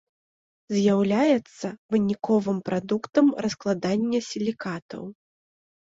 З'яўляецца выніковым прадуктам раскладання сілікатаў.